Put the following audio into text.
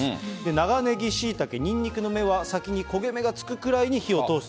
長ネギ、シイタケ、ニンニクの芽は先に焦げ目がつくぐらいに火を通すと。